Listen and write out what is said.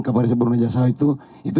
kapal riset barunajaya satu itu